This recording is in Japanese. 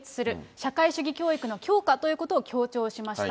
社会主義教育の強化ということを強調しました。